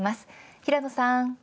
平野さん。